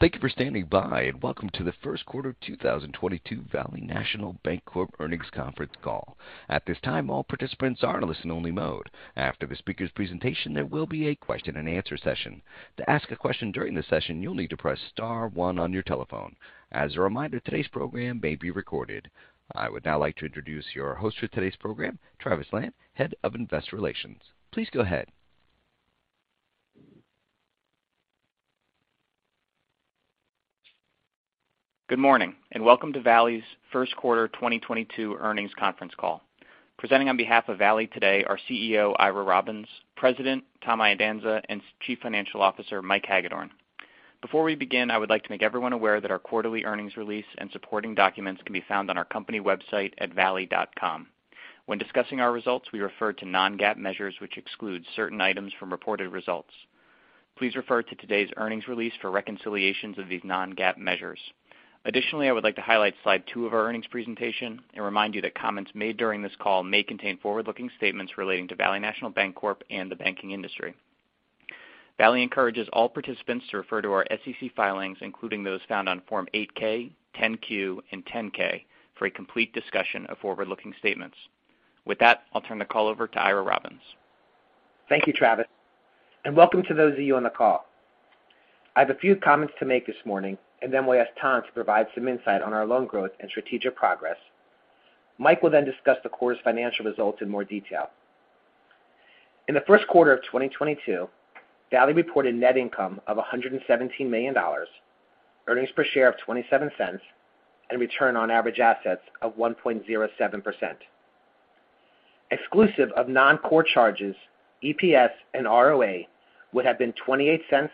Thank you for standing by, and welcome to the first quarter 2022 Valley National Bancorp earnings conference call. At this time, all participants are in listen-only mode. After the speaker's presentation, there will be a question and answer session. To ask a question during the session, you'll need to press star one on your telephone. As a reminder, today's program may be recorded. I would now like to introduce your host for today's program, Travis Lan, Head of Investor Relations. Please go ahead. Good morning, and welcome to Valley's first quarter 2022 earnings conference call. Presenting on behalf of Valley today are CEO Ira Robbins, President Tom Iadanza, and Chief Financial Officer Mike Hagedorn. Before we begin, I would like to make everyone aware that our quarterly earnings release and supporting documents can be found on our company website at valley.com. When discussing our results, we refer to non-GAAP measures, which exclude certain items from reported results. Please refer to today's earnings release for reconciliations of these non-GAAP measures. Additionally, I would like to highlight slide two of our earnings presentation and remind you that comments made during this call may contain forward-looking statements relating to Valley National Bancorp and the banking industry. Valley encourages all participants to refer to our SEC filings, including those found on Form 8-K, 10-Q, and 10-K, for a complete discussion of forward-looking statements. With that, I'll turn the call over to Ira Robbins. Thank you, Travis, and welcome to those of you on the call. I have a few comments to make this morning, and then we'll ask Tom to provide some insight on our loan growth and strategic progress. Mike will then discuss the quarter's financial results in more detail. In the first quarter of 2022, Valley reported net income of $117 million, earnings per share of $0.27, and return on average assets of 1.07%. Exclusive of non-core charges, EPS and ROA would have been $0.28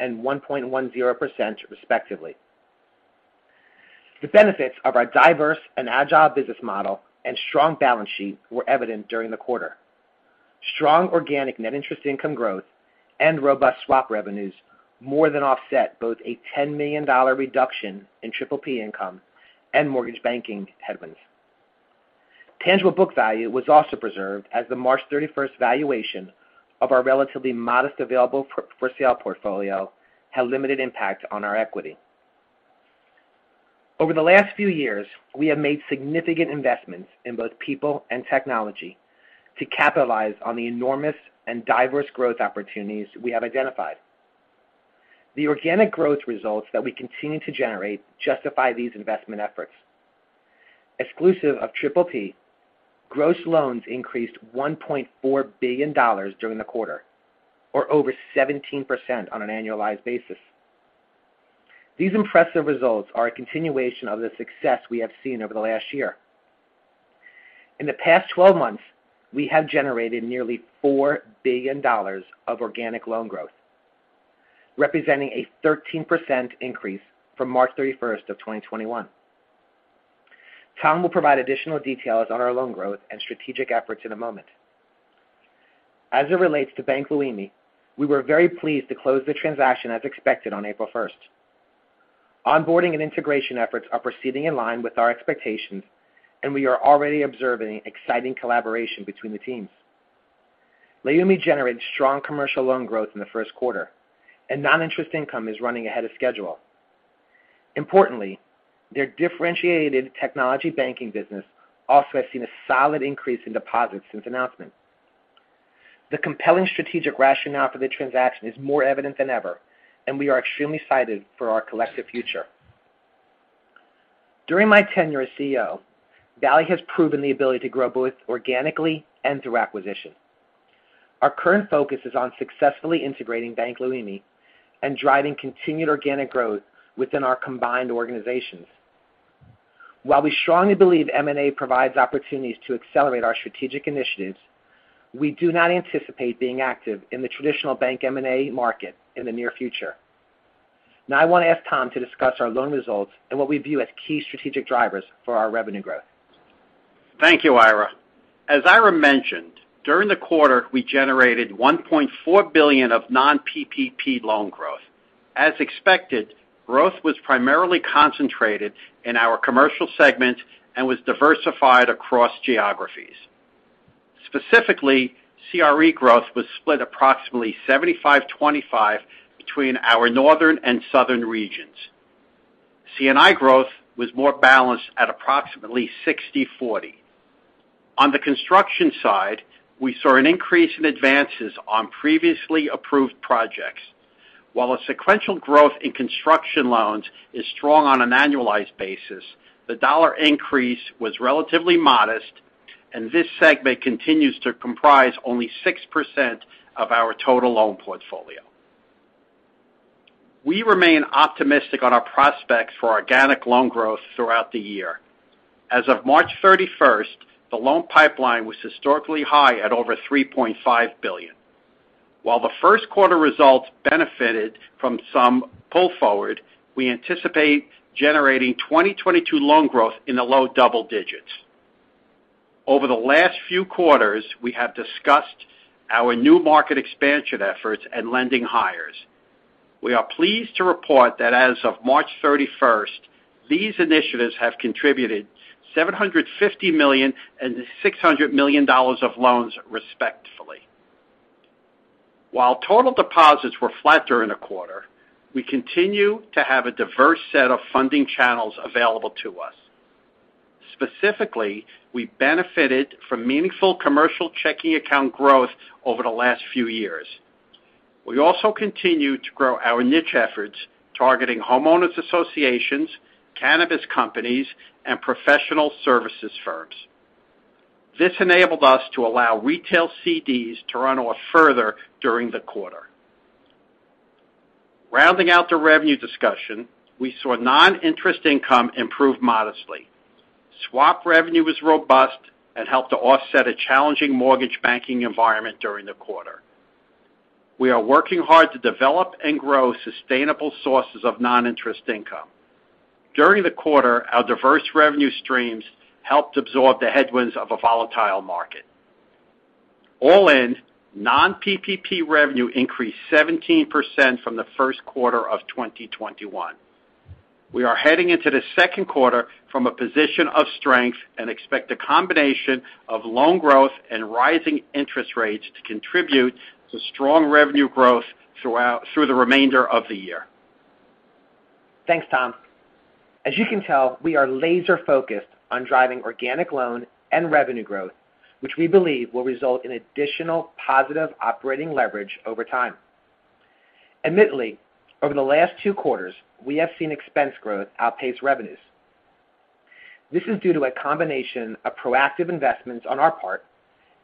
and 1.10%, respectively. The benefits of our diverse and agile business model and strong balance sheet were evident during the quarter. Strong organic net interest income growth and robust swap revenues more than offset both a $10 million reduction in PPP income and mortgage banking headwinds. Tangible book value was also preserved, as the March thirty-first valuation of our relatively modest available-for-sale portfolio had limited impact on our equity. Over the last few years, we have made significant investments in both people and technology to capitalize on the enormous and diverse growth opportunities we have identified. The organic growth results that we continue to generate justify these investment efforts. Exclusive of PPP, gross loans increased $1.4 billion during the quarter or over 17% on an annualized basis. These impressive results are a continuation of the success we have seen over the last year. In the past 12 months, we have generated nearly $4 billion of organic loan growth, representing a 13% increase from March thirty-first, 2021. Tom will provide additional details on our loan growth and strategic efforts in a moment. As it relates to Bank Leumi, we were very pleased to close the transaction as expected on April first. Onboarding and integration efforts are proceeding in line with our expectations, and we are already observing exciting collaboration between the teams. Leumi generates strong commercial loan growth in the first quarter, and non-interest income is running ahead of schedule. Importantly, their differentiated technology banking business also has seen a solid increase in deposits since announcement. The compelling strategic rationale for the transaction is more evident than ever, and we are extremely excited for our collective future. During my tenure as CEO, Valley has proven the ability to grow both organically and through acquisition. Our current focus is on successfully integrating Bank Leumi and driving continued organic growth within our combined organizations. While we strongly believe M&A provides opportunities to accelerate our strategic initiatives, we do not anticipate being active in the traditional bank M&A market in the near future. Now I want to ask Tom to discuss our loan results and what we view as key strategic drivers for our revenue growth. Thank you, Ira. As Ira mentioned, during the quarter, we generated $1.4 billion of non-PPP loan growth. As expected, growth was primarily concentrated in our commercial segments and was diversified across geographies. Specifically, CRE growth was split approximately 75-25 between our northern and southern regions. C&I growth was more balanced at approximately 60-40. On the construction side, we saw an increase in advances on previously approved projects. While a sequential growth in construction loans is strong on an annualized basis, the dollar increase was relatively modest, and this segment continues to comprise only 6% of our total loan portfolio. We remain optimistic on our prospects for organic loan growth throughout the year. As of March 31, the loan pipeline was historically high at over $3.5 billion. While the first quarter results benefited from some pull forward, we anticipate generating 2022 loan growth in the low double digits. Over the last few quarters, we have discussed our new market expansion efforts and lending hires. We are pleased to report that as of March 31, these initiatives have contributed $750 million and $600 million of loans, respectively. While total deposits were flat during the quarter, we continue to have a diverse set of funding channels available to us. Specifically, we benefited from meaningful commercial checking account growth over the last few years. We also continue to grow our niche efforts targeting homeowners associations, cannabis companies, and professional services firms. This enabled us to allow retail CDs to run off further during the quarter. Rounding out the revenue discussion, we saw non-interest income improve modestly. Swap revenue was robust and helped to offset a challenging mortgage banking environment during the quarter. We are working hard to develop and grow sustainable sources of non-interest income. During the quarter, our diverse revenue streams helped absorb the headwinds of a volatile market. All in, non-PPP revenue increased 17% from the first quarter of 2021. We are heading into the second quarter from a position of strength and expect a combination of loan growth and rising interest rates to contribute to strong revenue growth through the remainder of the year. Thanks, Tom. As you can tell, we are laser-focused on driving organic loan and revenue growth, which we believe will result in additional positive operating leverage over time. Admittedly, over the last two quarters, we have seen expense growth outpace revenues. This is due to a combination of proactive investments on our part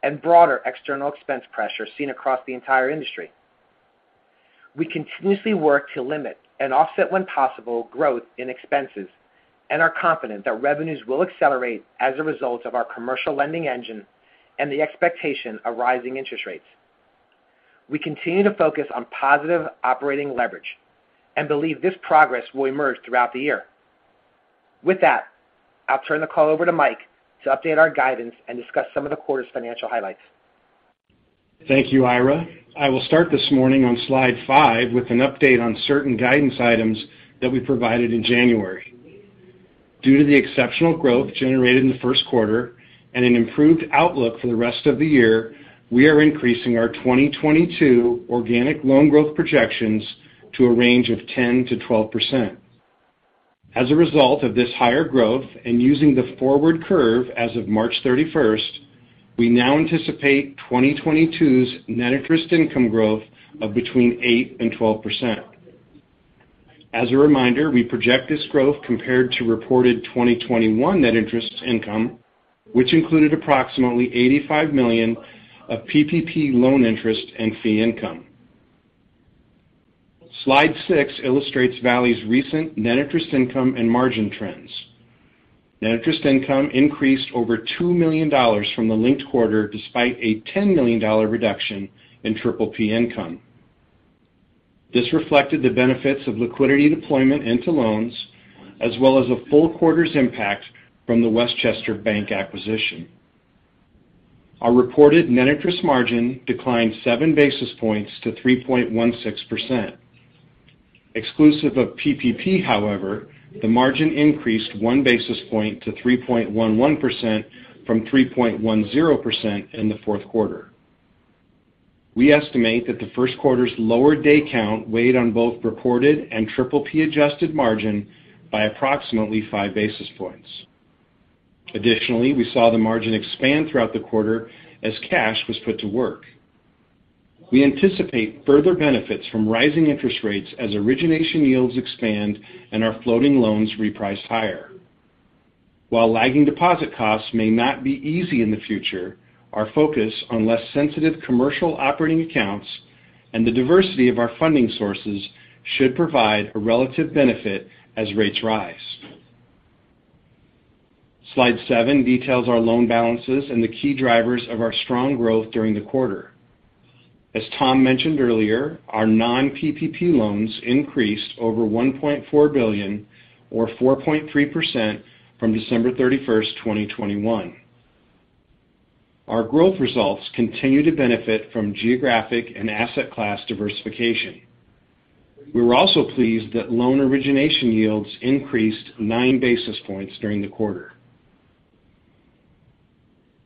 and broader external expense pressure seen across the entire industry. We continuously work to limit and offset, when possible, growth in expenses and are confident that revenues will accelerate as a result of our commercial lending engine and the expectation of rising interest rates. We continue to focus on positive operating leverage and believe this progress will emerge throughout the year. With that, I'll turn the call over to Mike to update our guidance and discuss some of the quarter's financial highlights. Thank you, Ira. I will start this morning on slide five with an update on certain guidance items that we provided in January. Due to the exceptional growth generated in the first quarter and an improved outlook for the rest of the year, we are increasing our 2022 organic loan growth projections to a range of 10%-12%. As a result of this higher growth and using the forward curve as of March 31, we now anticipate 2022's net interest income growth of between 8% and 12%. As a reminder, we project this growth compared to reported 2021 net interest income, which included approximately $85 million of PPP loan interest and fee income. Slide six illustrates Valley's recent net interest income and margin trends. Net interest income increased over $2 million from the linked quarter, despite a $10 million reduction in PPP income. This reflected the benefits of liquidity deployment into loans, as well as a full quarter's impact from The Westchester Bank acquisition. Our reported net interest margin declined seven basis points to 3.16%. Exclusive of PPP, however, the margin increased one basis point to 3.11% from 3.10% in the fourth quarter. We estimate that the first quarter's lower day count weighed on both reported and PPP-adjusted margin by approximately five basis points. Additionally, we saw the margin expand throughout the quarter as cash was put to work. We anticipate further benefits from rising interest rates as origination yields expand and our floating loans reprice higher. While lagging deposit costs may not be easy in the future, our focus on less sensitive commercial operating accounts and the diversity of our funding sources should provide a relative benefit as rates rise. Slide seven details our loan balances and the key drivers of our strong growth during the quarter. As Tom mentioned earlier, our non-PPP loans increased over $1.4 billion or 4.3% from December 31, 2021. Our growth results continue to benefit from geographic and asset class diversification. We were also pleased that loan origination yields increased nine basis points during the quarter.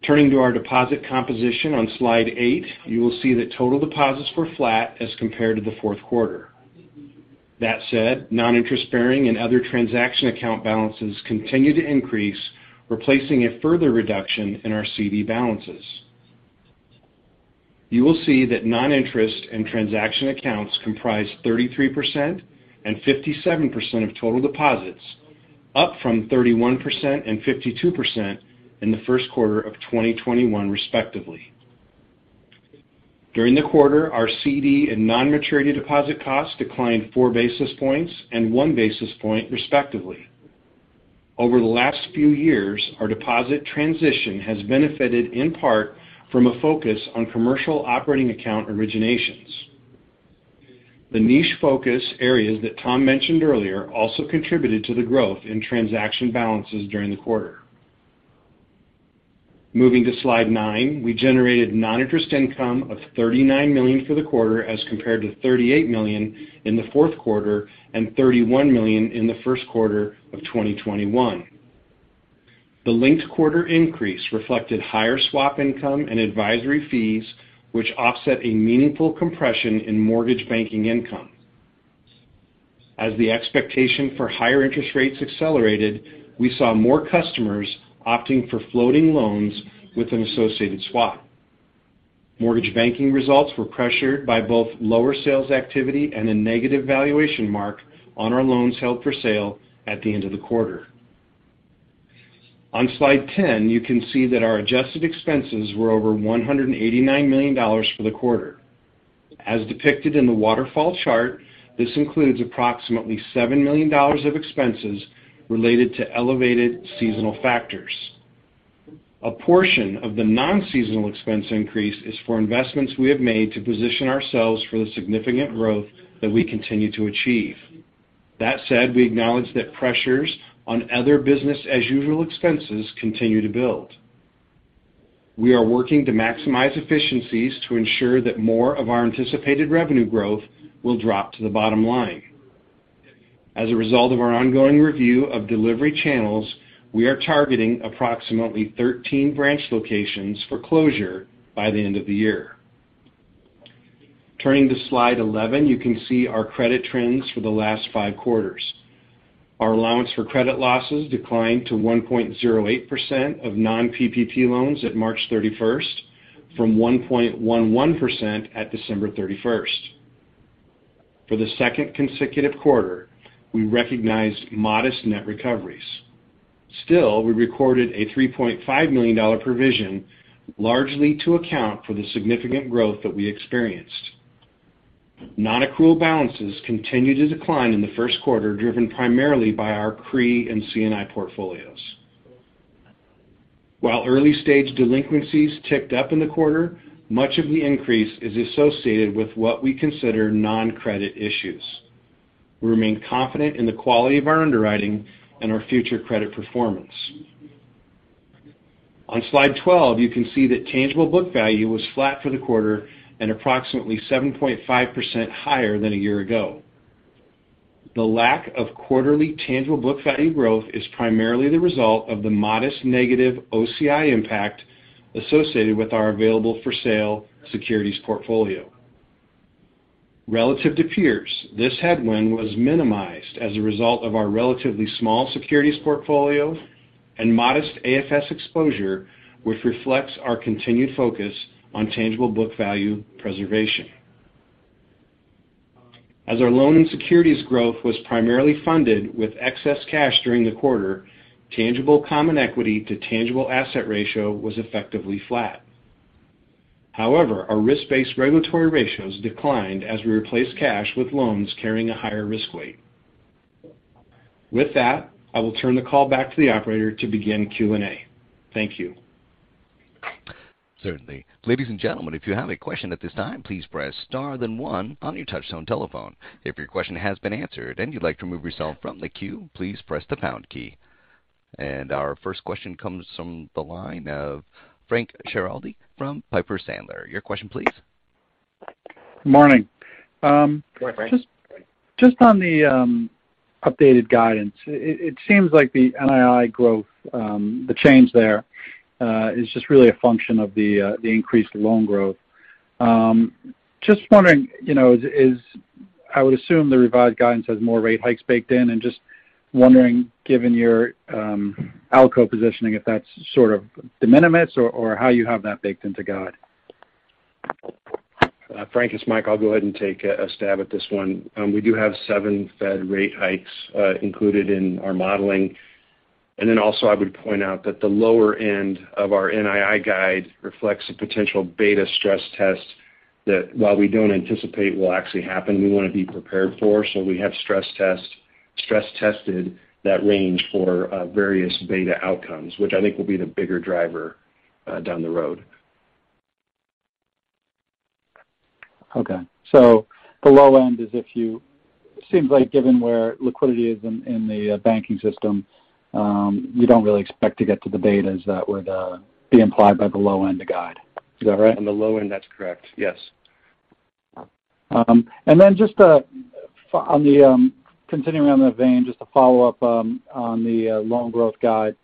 Turning to our deposit composition on slide eight, you will see that total deposits were flat as compared to the fourth quarter. That said, non-interest-bearing and other transaction account balances continued to increase, replacing a further reduction in our CD balances. You will see that non-interest and transaction accounts comprise 33% and 57% of total deposits, up from 31% and 52% in the first quarter of 2021, respectively. During the quarter, our CD and non-maturity deposit costs declined four basis points and one basis point, respectively. Over the last few years, our deposit transition has benefited in part from a focus on commercial operating account originations. The niche focus areas that Tom mentioned earlier also contributed to the growth in transaction balances during the quarter. Moving to slide nine, we generated non-interest income of $39 million for the quarter as compared to $38 million in the fourth quarter and $31 million in the first quarter of 2021. The linked quarter increase reflected higher swap income and advisory fees, which offset a meaningful compression in mortgage banking income. As the expectation for higher interest rates accelerated, we saw more customers opting for floating loans with an associated swap. Mortgage banking results were pressured by both lower sales activity and a negative valuation mark on our loans held for sale at the end of the quarter. On slide 10, you can see that our adjusted expenses were over $189 million for the quarter. As depicted in the waterfall chart, this includes approximately $7 million of expenses related to elevated seasonal factors. A portion of the non-seasonal expense increase is for investments we have made to position ourselves for the significant growth that we continue to achieve. That said, we acknowledge that pressures on other business as usual expenses continue to build. We are working to maximize efficiencies to ensure that more of our anticipated revenue growth will drop to the bottom line. As a result of our ongoing review of delivery channels, we are targeting approximately 13 branch locations for closure by the end of the year. Turning to slide 11, you can see our credit trends for the last five quarters. Our allowance for credit losses declined to 1.08% of non-PPP loans at March 31 from 1.11% at December 31. For the second consecutive quarter, we recognized modest net recoveries. Still, we recorded a $3.5 million provision, largely to account for the significant growth that we experienced. Non-accrual balances continued to decline in the first quarter, driven primarily by our CRE and C&I portfolios. While early-stage delinquencies ticked up in the quarter, much of the increase is associated with what we consider non-credit issues. We remain confident in the quality of our underwriting and our future credit performance. On slide 12, you can see that tangible book value was flat for the quarter and approximately 7.5% higher than a year ago. The lack of quarterly tangible book value growth is primarily the result of the modest negative OCI impact associated with our available for sale securities portfolio. Relative to peers, this headwind was minimized as a result of our relatively small securities portfolio and modest AFS exposure, which reflects our continued focus on tangible book value preservation. As our loan and securities growth was primarily funded with excess cash during the quarter, tangible common equity to tangible asset ratio was effectively flat. However, our risk-based regulatory ratios declined as we replaced cash with loans carrying a higher risk weight. With that, I will turn the call back to the operator to begin Q&A. Thank you. Certainly. Ladies and gentlemen, if you have a question at this time, please press star then one on your touch tone telephone. If your question has been answered and you'd like to remove yourself from the queue, please press the pound key. Our first question comes from the line of Frank Schiraldi from Piper Sandler. Your question please. Morning. Good morning, Frank. Just on the updated guidance, it seems like the NII growth, the change there, is just really a function of the increased loan growth. Just wondering, you know, I would assume the revised guidance has more rate hikes baked in and just wondering, given your ALCO positioning, if that's sort of de minimis or how you have that baked into guide. Frank, it's Mike. I'll go ahead and take a stab at this one. We do have seven Fed rate hikes included in our modeling. Then also I would point out that the lower end of our NII guide reflects a potential beta stress test that, while we don't anticipate will actually happen, we wanna be prepared for. We have stress tested that range for various beta outcomes, which I think will be the bigger driver down the road. Seems like given where liquidity is in the banking system, you don't really expect to get to the betas that would be implied by the low end of guide. Is that right? On the low end, that's correct, yes. Just continuing on that vein, just to follow up on the loan growth guide,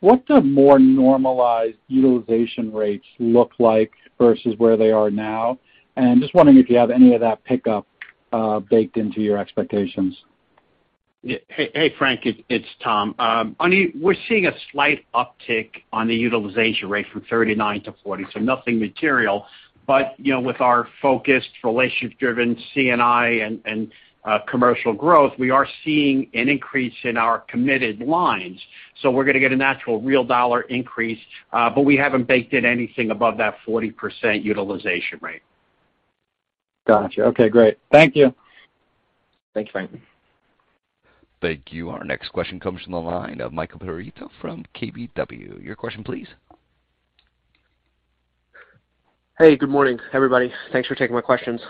what do more normalized utilization rates look like versus where they are now? Just wondering if you have any of that pickup baked into your expectations. Yeah. Hey, Frank, it's Tom. I mean, we're seeing a slight uptick on the utilization rate from 39 to 40, so nothing material. You know, with our focused relationship-driven C&I and commercial growth, we are seeing an increase in our committed lines. We're gonna get a natural real dollar increase, but we haven't baked in anything above that 40% utilization rate. Gotcha. Okay, great. Thank you. Thanks, Frank. Thank you. Our next question comes from the line of Michael Perito from KBW. Your question please. Hey, good morning, everybody. Thanks for taking my questions.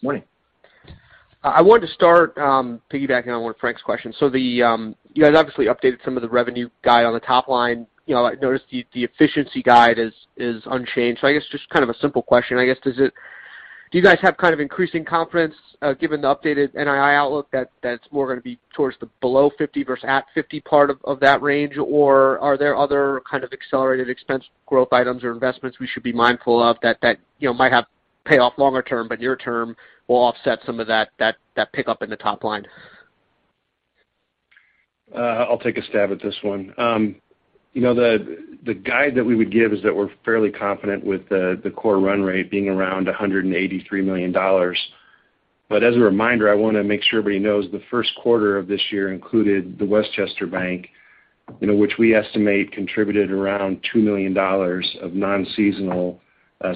Morning. I wanted to start, piggybacking on one of Frank's questions. You guys obviously updated some of the revenue guide on the top line. You know, I noticed the efficiency guide is unchanged. I guess just kind of a simple question. I guess, do you guys have kind of increasing confidence, given the updated NII outlook that that's more gonna be towards the below 50 versus at 50 part of that range? Or are there other kind of accelerated expense growth items or investments we should be mindful of that you know, might have payoff longer term, but near term will offset some of that pickup in the top line? I'll take a stab at this one. You know, the guide that we would give is that we're fairly confident with the core run rate being around $183 million. As a reminder, I wanna make sure everybody knows the first quarter of this year included the Westchester Bank, you know, which we estimate contributed around $2 million of non-seasonal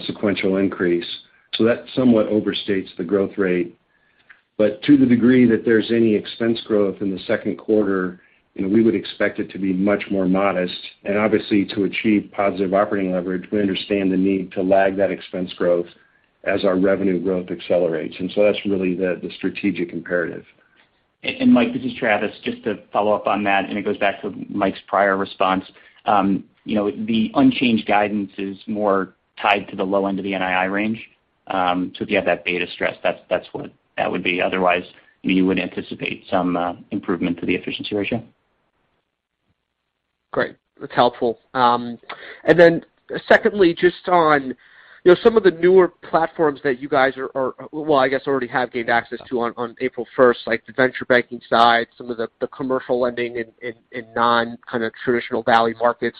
sequential increase. That somewhat overstates the growth rate. To the degree that there's any expense growth in the second quarter, you know, we would expect it to be much more modest. Obviously, to achieve positive operating leverage, we understand the need to lag that expense growth as our revenue growth accelerates. That's really the strategic imperative. Mike, this is Travis. Just to follow up on that, and it goes back to Mike's prior response. You know, the unchanged guidance is more tied to the low end of the NII range. So if you have that beta stress, that's what that would be. Otherwise, you would anticipate some improvement to the efficiency ratio. Great. That's helpful. Secondly, just on, you know, some of the newer platforms that you guys are well, I guess already have gained access to on April first, like the venture banking side, some of the commercial lending in non kind of traditional Valley markets.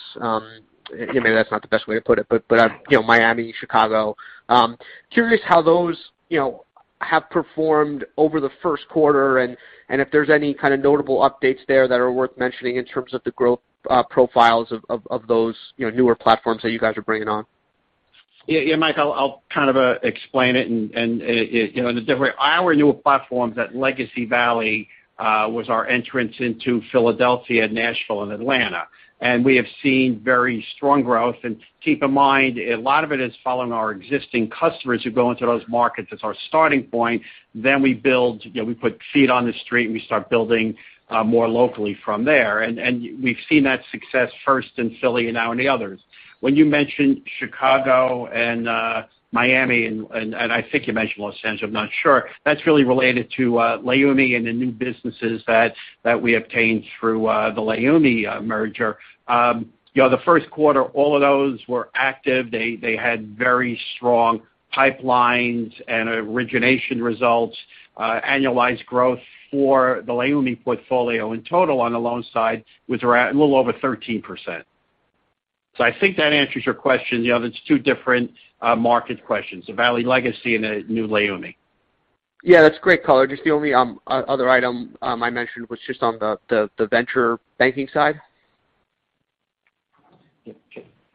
Maybe that's not the best way to put it, but you know, Miami, Chicago. Curious how those, you know, have performed over the first quarter and if there's any kind of notable updates there that are worth mentioning in terms of the growth profiles of those, you know, newer platforms that you guys are bringing on. Yeah, Mike, I'll kind of explain it and you know, in a different way. Our newer platforms at Legacy Valley was our entrance into Philadelphia, Nashville, and Atlanta. We have seen very strong growth. Keep in mind, a lot of it is following our existing customers who go into those markets as our starting point. We build, you know, we put feet on the street, and we start building more locally from there. We've seen that success first in Philly and now in the others. When you mention Chicago and Miami and I think you mentioned Los Angeles, I'm not sure, that's really related to Leumi and the new businesses that we obtained through the Leumi merger. You know, the first quarter, all of those were active. They had very strong pipelines and origination results. Annualized growth for the Leumi portfolio in total on the loan side was around a little over 13%. I think that answers your question. You know, that's two different market questions, the Legacy Valley and the new Leumi. Yeah, that's great color. Just the only other item I mentioned was just on the venture banking side.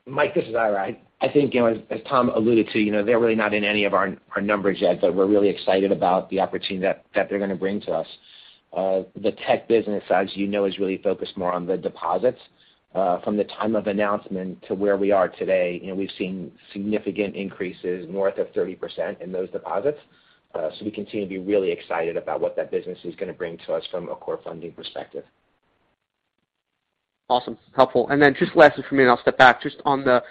Mike, this is Ira. I think, you know, as Tom alluded to, you know, they're really not in any of our numbers yet, but we're really excited about the opportunity that they're gonna bring to us. The tech business, as you know, is really focused more on the deposits. From the time of announcement to where we are today, you know, we've seen significant increases, north of 30% in those deposits. So we continue to be really excited about what that business is gonna bring to us from a core funding perspective. Awesome. Helpful. Then just lastly for me, and I'll step back, just on the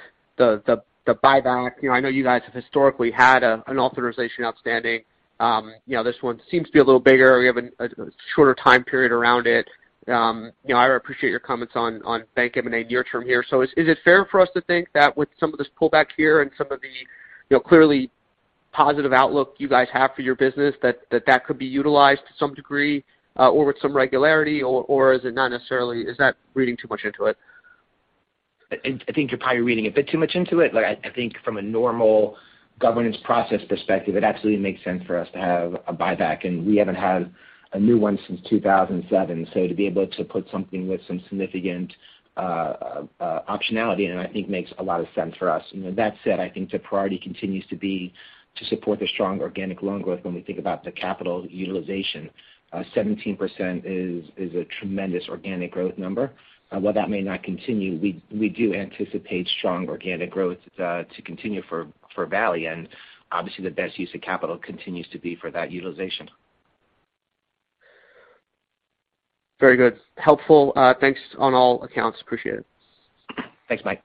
buyback. You know, I know you guys have historically had an authorization outstanding. You know, this one seems to be a little bigger. We have a shorter time period around it. You know, Ira, appreciate your comments on bank M&A near term here. Is it fair for us to think that with some of this pullback here and some of the, you know, clearly positive outlook you guys have for your business that could be utilized to some degree, or with some regularity, or is it not necessarily? Is that reading too much into it? I think you're probably reading a bit too much into it. Like, I think from a normal governance process perspective, it absolutely makes sense for us to have a buyback, and we haven't had a new one since 2007. So to be able to put something with some significant optionality in it, I think makes a lot of sense for us. You know, that said, I think the priority continues to be to support the strong organic loan growth when we think about the capital utilization. 17% is a tremendous organic growth number. While that may not continue, we do anticipate strong organic growth to continue for Valley. Obviously, the best use of capital continues to be for that utilization. Very good. Helpful. Thanks on all accounts. Appreciate it. Thanks, Mike.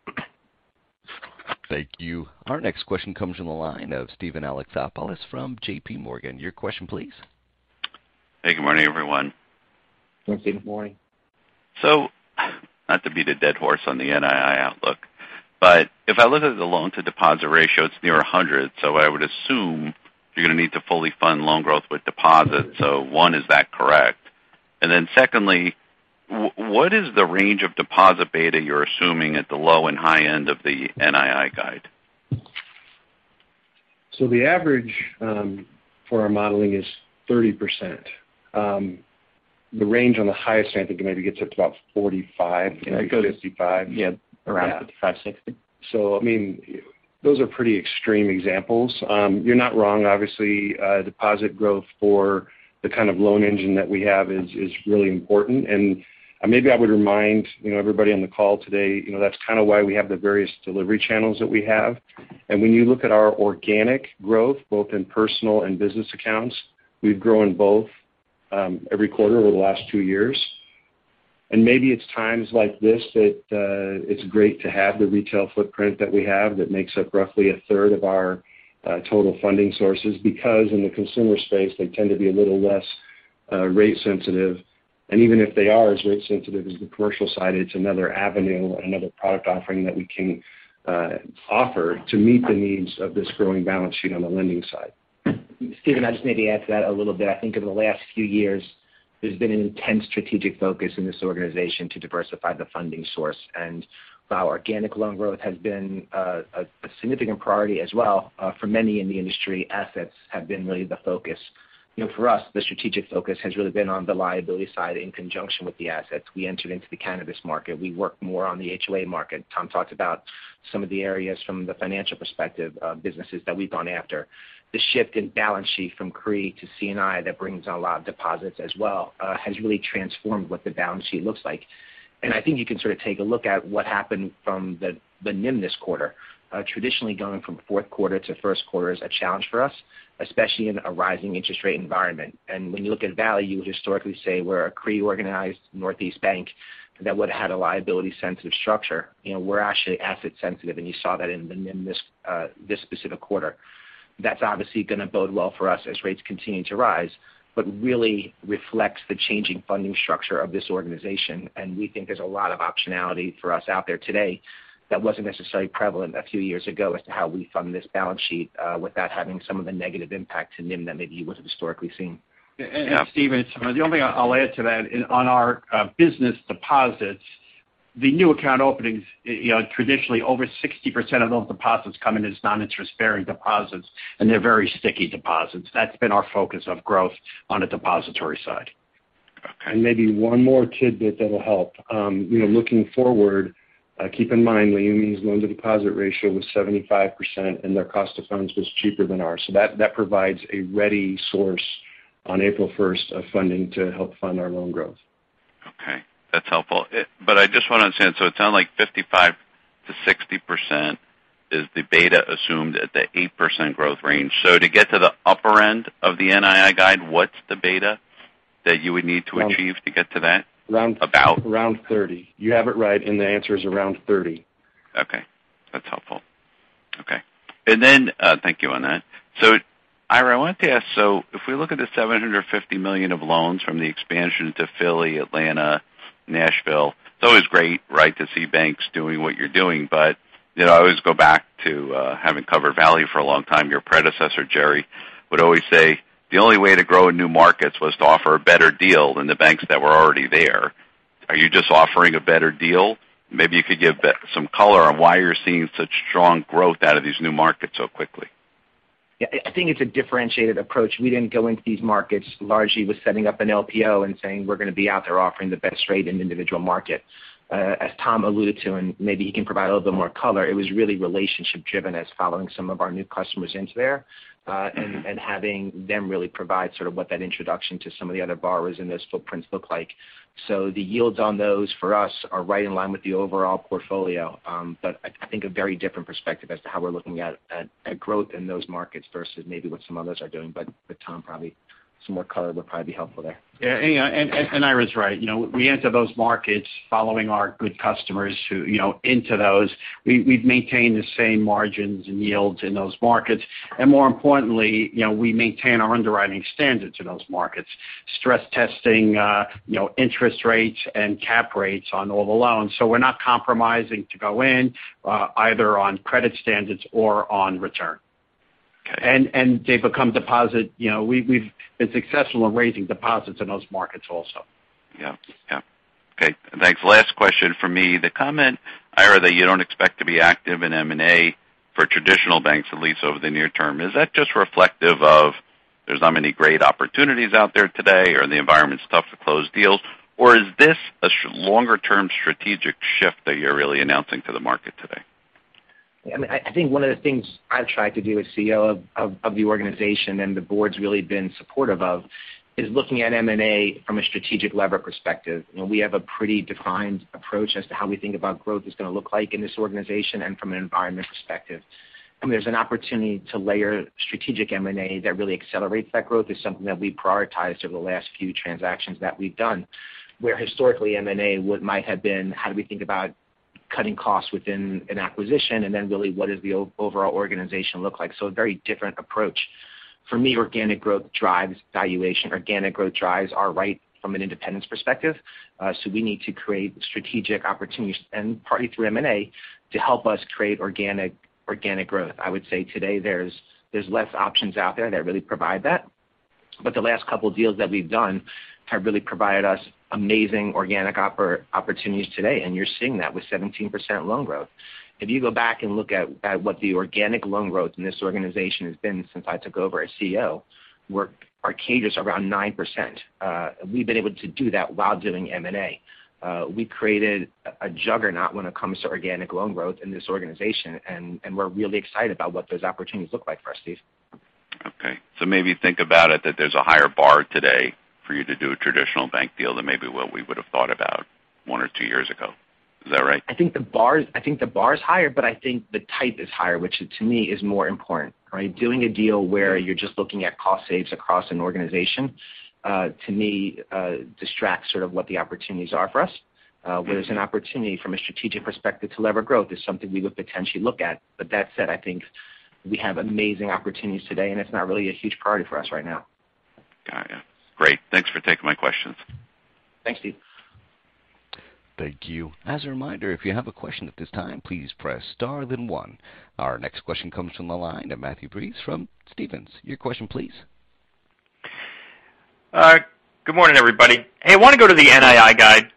Thank you. Our next question comes from the line of Steven Alexopoulos from JP Morgan. Your question please. Hey, good morning, everyone. Steven, good morning. Not to beat a dead horse on the NII outlook, but if I look at the loan-to-deposit ratio, it's near 100. I would assume you're gonna need to fully fund loan growth with deposits. One, is that correct? Secondly, what is the range of deposit beta you're assuming at the low and high end of the NII guide? The average for our modeling is 30%. The range on the highest end I think maybe gets up to about 45, maybe 55. Yeah, around 55-60. I mean, those are pretty extreme examples. You're not wrong. Obviously, deposit growth for the kind of loan engine that we have is really important. Maybe I would remind, you know, everybody on the call today, you know, that's kind of why we have the various delivery channels that we have. When you look at our organic growth, both in personal and business accounts, we've grown both every quarter over the last two years. Maybe it's times like this that it's great to have the retail footprint that we have that makes up roughly a third of our total funding sources because in the consumer space, they tend to be a little less rate sensitive. Even if they are as rate sensitive as the commercial side, it's another avenue and another product offering that we can offer to meet the needs of this growing balance sheet on the lending side. Steven, I'll just maybe add to that a little bit. I think over the last few years, there's been an intense strategic focus in this organization to diversify the funding source. While organic loan growth has been a significant priority as well, for many in the industry, assets have been really the focus. You know, for us, the strategic focus has really been on the liability side in conjunction with the assets. We entered into the cannabis market. We worked more on the HOA market. Tom talked about some of the areas from the financial perspective of businesses that we've gone after. The shift in balance sheet from CRE to C&I that brings a lot of deposits as well has really transformed what the balance sheet looks like. I think you can sort of take a look at what happened from the NIM this quarter. Traditionally going from fourth quarter to first quarter is a challenge for us, especially in a rising interest rate environment. When you look at Valley, you would historically say we're a CRE-organized Northeast bank that would've had a liability sensitive structure. You know, we're actually asset sensitive, and you saw that in the NIM this specific quarter. That's obviously gonna bode well for us as rates continue to rise, but really reflects the changing funding structure of this organization. We think there's a lot of optionality for us out there today that wasn't necessarily prevalent a few years ago as to how we fund this balance sheet without having some of the negative impact to NIM that maybe you would've historically seen. Steven, the only thing I'll add to that, on our business deposits, the new account openings, you know, traditionally, over 60% of those deposits come in as non-interest bearing deposits, and they're very sticky deposits. That's been our focus of growth on the depository side. Maybe one more tidbit that'll help. You know, looking forward, keep in mind Bank Leumi's loan to deposit ratio was 75%, and their cost of funds was cheaper than ours. That provides a ready source on April first of funding to help fund our loan growth. Okay, that's helpful. I just wanna understand. It sounds like 55%-60% is the beta assumed at the 8% growth range. To get to the upper end of the NII guide, what's the beta that you would need to achieve to get to that? Around- About. Around 30. You have it right, and the answer is around 30. Okay. That's helpful. Okay. Thank you on that. Ira, I wanted to ask, so if we look at the $750 million of loans from the expansion to Philly, Atlanta, Nashville, it's always great, right, to see banks doing what you're doing. You know, I always go back to having covered Valley for a long time. Your predecessor, Jerry, would always say, "The only way to grow in new markets was to offer a better deal than the banks that were already there." Are you just offering a better deal? Maybe you could give some color on why you're seeing such strong growth out of these new markets so quickly. Yeah. I think it's a differentiated approach. We didn't go into these markets largely with setting up an LPO and saying, "We're gonna be out there offering the best rate in individual markets." As Tom alluded to, and maybe he can provide a little bit more color, it was really relationship driven as following some of our new customers into there, and having them really provide sort of what that introduction to some of the other borrowers in those footprints look like. The yields on those for us are right in line with the overall portfolio. I think a very different perspective as to how we're looking at growth in those markets versus maybe what some others are doing. Tom probably some more color would probably be helpful there. Yeah. You know, Ira's right. You know, we enter those markets following our good customers who, you know, into those. We've maintained the same margins and yields in those markets. More importantly, you know, we maintain our underwriting standards in those markets. Stress testing interest rates and cap rates on all the loans. We're not compromising to go in, either on credit standards or on return. Okay. They become deposits. You know, we've been successful in raising deposits in those markets also. Yeah. Yeah. Okay, thanks. Last question from me. The comment, Ira, that you don't expect to be active in M&A for traditional banks, at least over the near term, is that just reflective of there's not many great opportunities out there today, or the environment's tough to close deals, or is this a longer term strategic shift that you're really announcing to the market today? I mean, I think one of the things I've tried to do as CEO of the organization and the board's really been supportive of is looking at M&A from a strategic lever perspective. You know, we have a pretty defined approach as to how we think about growth is gonna look like in this organization and from an environment perspective. I mean, there's an opportunity to layer strategic M&A that really accelerates that growth is something that we prioritized over the last few transactions that we've done. Where historically M&A might have been how do we think about cutting costs within an acquisition, and then really what does the overall organization look like? A very different approach. For me, organic growth drives valuation. Organic growth drives our right from an independence perspective. We need to create strategic opportunities and partly through M&A to help us create organic growth. I would say today there's less options out there that really provide that. The last couple deals that we've done have really provided us amazing organic opportunities today, and you're seeing that with 17% loan growth. If you go back and look at what the organic loan growth in this organization has been since I took over as CEO, our cadence around 9%. We've been able to do that while doing M&A. We created a juggernaut when it comes to organic loan growth in this organization, and we're really excited about what those opportunities look like for us, Steve. Okay. Maybe think about it that there's a higher bar today for you to do a traditional bank deal than maybe what we would've thought about one or two years ago? Is that right? I think the bar is higher, but I think the type is higher, which to me is more important, right? Doing a deal where you're just looking at cost saves across an organization, to me, distracts sort of what the opportunities are for us. Where there's an opportunity from a strategic perspective to lever growth is something we would potentially look at. That said, I think we have amazing opportunities today, and it's not really a huge priority for us right now. Got it. Great. Thanks for taking my questions. Thanks, Steve. Thank you. As a reminder, if you have a question at this time, please press star then one. Our next question comes from the line of Matthew Breese from Stephens. Your question please. All right. Good morning, everybody. Hey, I want to go to the NII guide,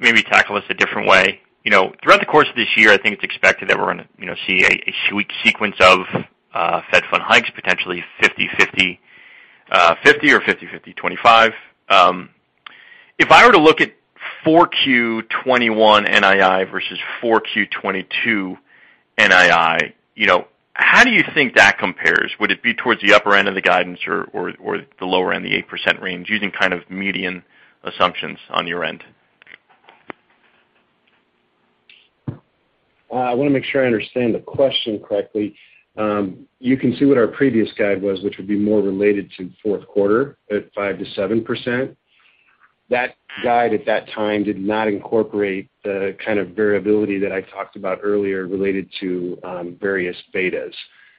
maybe tackle this a different way. You know, throughout the course of this year, I think it's expected that we're gonna, you know, see a sweet sequence of Fed fund hikes, potentially 50-50, 50 or 50-50 25. If I were to look at 4Q 2021 NII versus 4Q 2022 NII, you know, how do you think that compares? Would it be towards the upper end of the guidance or the lower end, the 8% range using kind of median assumptions on your end? I wanna make sure I understand the question correctly. You can see what our previous guidance was, which would be more related to fourth quarter at 5%-7%. That guidance at that time did not incorporate the kind of variability that I talked about earlier related to various betas.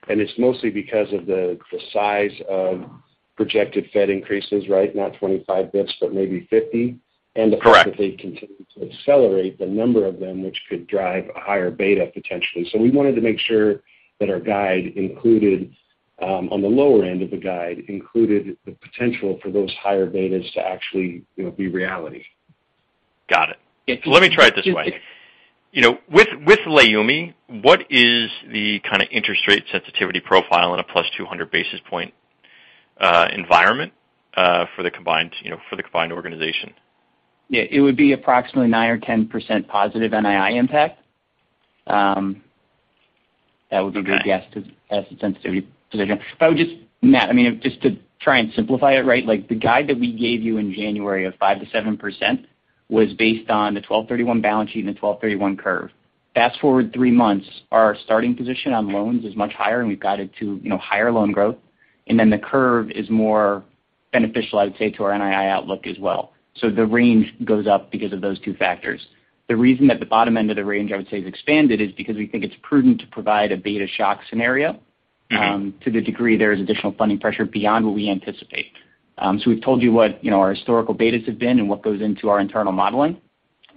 It's mostly because of the size of projected Fed increases, right? Not 25 basis points, but maybe 50. Correct. The fact that they continue to accelerate the number of them, which could drive a higher beta potentially. We wanted to make sure that our guide included on the lower end of the guide the potential for those higher betas to actually, you know, be reality. Got it. Let me try it this way. You know, with Leumi, what is the kind of interest rate sensitivity profile in a +200 basis points environment for the combined organization? Yeah. It would be approximately 9% or 10% positive NII impact. That would be a good guess as a sensitivity position. I would just, Matt, I mean, just to try and simplify it, right? Like, the guide that we gave you in January of 5%-7% was based on the 12/31 balance sheet and the 12/31 curve. Fast-forward three months, our starting position on loans is much higher, and we've guided to, you know, higher loan growth. The curve is more beneficial, I would say, to our NII outlook as well. The range goes up because of those two factors. The reason that the bottom end of the range, I would say, is expanded is because we think it's prudent to provide a beta shock scenario, to the degree there is additional funding pressure beyond what we anticipate. We've told you what, you know, our historical betas have been and what goes into our internal modeling.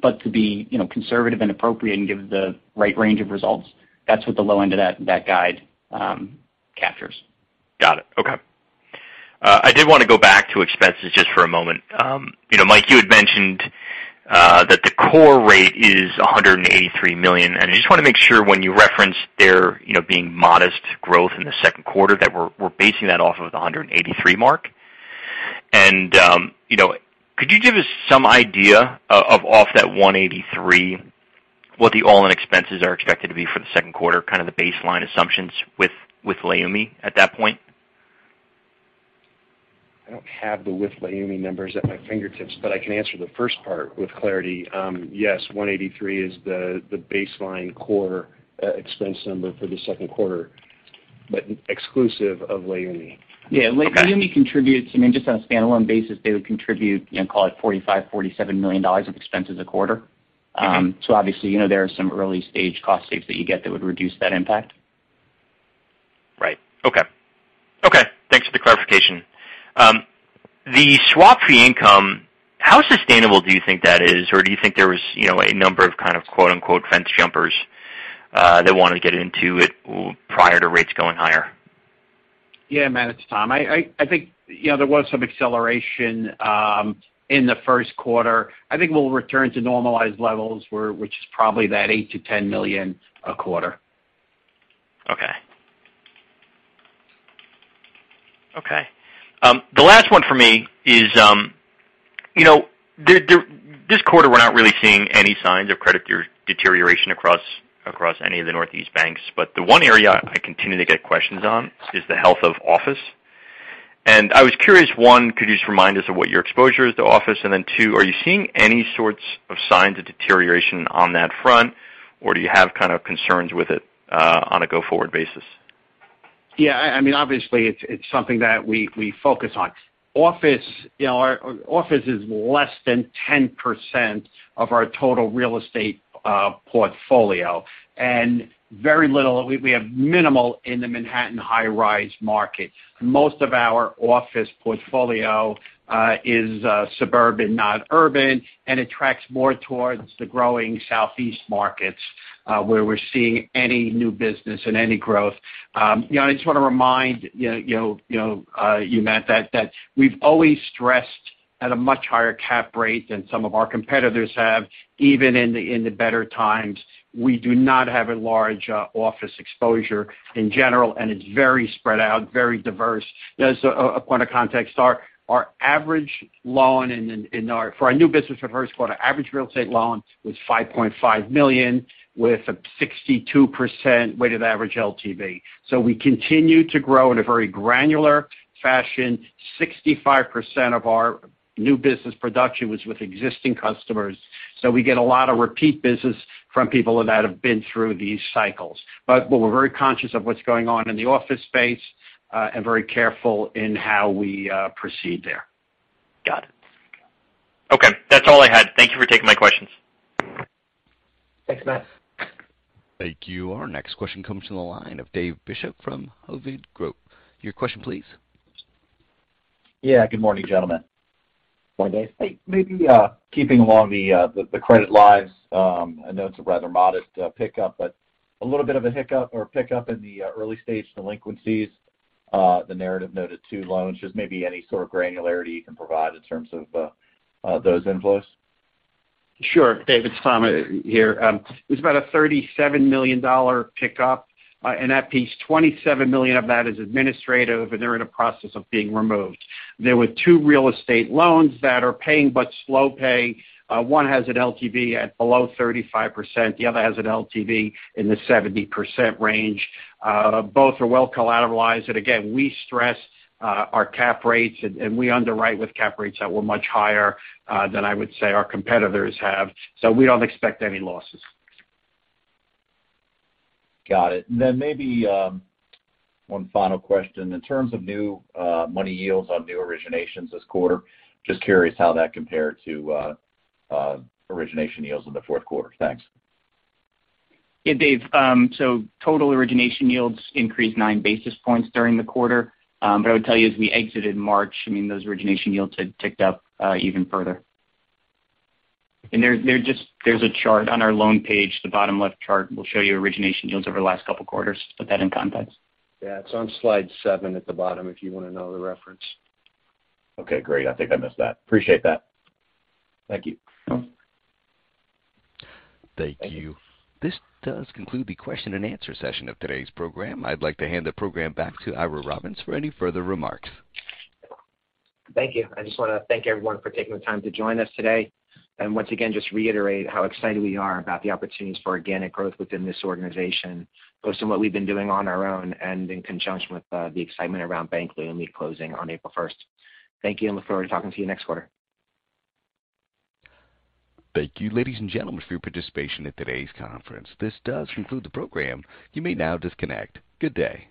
To be, you know, conservative and appropriate and give the right range of results, that's what the low end of that guide captures. Got it. Okay. I did wanna go back to expenses just for a moment. You know, Mike, you had mentioned that the core rate is $183 million. I just wanna make sure when you referenced there, you know, being modest growth in the second quarter, that we're basing that off of the $183 million mark. You know, could you give us some idea of that $183 million, what the all-in expenses are expected to be for the second quarter, kind of the baseline assumptions with Leumi at that point? I don't have the with Leumi numbers at my fingertips, but I can answer the first part with clarity. Yes, 183 is the baseline core expense number for the second quarter, but exclusive of Leumi. Yeah. Okay. Leumi contributes, I mean, just on a stand-alone basis, they would contribute, you know, call it $45-$47 million of expenses a quarter. Okay. Obviously, you know, there are some early-stage cost saves that you get that would reduce that impact. Right. Okay, thanks for the clarification. The swap fee income, how sustainable do you think that is? Or do you think there was, you know, a number of kind of quote-unquote fence jumpers, that wanna get into it prior to rates going higher? Yeah, Matt, it's Tom. I think, you know, there was some acceleration in the first quarter. I think we'll return to normalized levels, which is probably that $8 million-$10 million a quarter. Okay. The last one for me is, you know, this quarter, we're not really seeing any signs of credit deterioration across any of the Northeast banks, but the one area I continue to get questions on is the health of office. I was curious, one, could you just remind us of what your exposure is to office? Two, are you seeing any sorts of signs of deterioration on that front, or do you have kind of concerns with it, on a go-forward basis? Yeah. I mean, obviously it's something that we focus on. Office, you know, our office is less than 10% of our total real estate portfolio, and very little, we have minimal in the Manhattan high-rise market. Most of our office portfolio is suburban, not urban, and it tracks more towards the growing southeast markets, where we're seeing any new business and any growth. You know, I just want to remind you, Matt, that we've always stressed at a much higher cap rate than some of our competitors have, even in the better times. We do not have a large office exposure in general, and it's very spread out, very diverse. You know, as a point of context, our average loan for our new business for the first quarter, average real estate loan was $5.5 million with a 62% weighted average LTV. We continue to grow in a very granular fashion. 65% of our new business production was with existing customers. We get a lot of repeat business from people that have been through these cycles. We're very conscious of what's going on in the office space and very careful in how we proceed there. Got it. Okay. That's all I had. Thank you for taking my questions. Thanks, Matt. Thank you. Our next question comes from the line of Dave Bishop from Hovde Group. Your question please. Yeah, good morning, gentlemen. Good morning, Dave. Maybe keeping along the credit lines, I know it's a rather modest pickup, but a little bit of a hiccup or pickup in the early-stage delinquencies, the narrative noted two loans. Just maybe any sort of granularity you can provide in terms of those inflows. Sure, Dave, it's Tom here. It was about a $37 million pickup in that piece. $27 million of that is administrative, and they're in a process of being removed. There were two real estate loans that are paying but slow pay. One has an LTV at below 35%. The other has an LTV in the 70% range. Both are well collateralized. Again, we stress our cap rates, and we underwrite with cap rates that were much higher than I would say our competitors have. We don't expect any losses. Got it. Maybe one final question. In terms of new money yields on new originations this quarter, just curious how that compared to origination yields in the fourth quarter. Thanks. Yeah, Dave. So total origination yields increased nine basis points during the quarter. But I would tell you as we exited in March, I mean, those origination yields had ticked up, even further. There's a chart on our loan page. The bottom left chart will show you origination yields over the last couple of quarters to put that in context. Yeah. It's on slide seven at the bottom if you wanna know the reference. Okay, great. I think I missed that. Appreciate that. Thank you. Thank you. This does conclude the question and answer session of today's program. I'd like to hand the program back to Ira Robbins for any further remarks. Thank you. I just wanna thank everyone for taking the time to join us today. Once again, just reiterate how excited we are about the opportunities for organic growth within this organization, both in what we've been doing on our own and in conjunction with the excitement around Bank Leumi closing on April first. Thank you, and look forward to talking to you next quarter. Thank you, ladies and gentlemen, for your participation in today's conference. This does conclude the program. You may now disconnect. Good day.